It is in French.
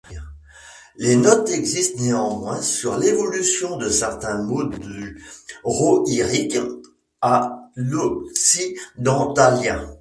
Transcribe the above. Des notes existent néanmoins sur l'évolution de certains mots du rohirique à l'occidentalien.